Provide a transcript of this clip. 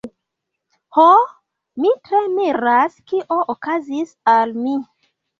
Ho, mi tre miras kio okazis al mi.